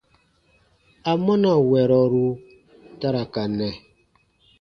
Amɔna wɛrɔru ta ra ka nɛ?